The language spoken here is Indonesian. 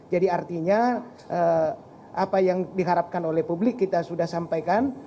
jadi artinya apa yang diharapkan oleh publik kita sudah sampaikan